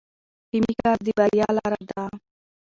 ټیمي کار د بریا لاره ده.